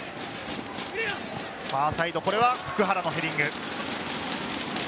ファーサイド、これは普久原のヘディング。